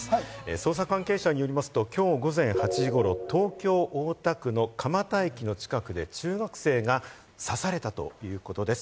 捜査関係者によりますと今日午前８時頃、東京・大田区の蒲田駅の近くで中学生が刺されたということです。